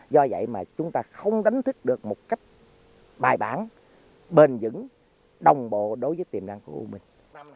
do vậy mà chúng ta không đánh thức được một cách bài bản bền dững đồng bộ đối với tiềm năng của u minh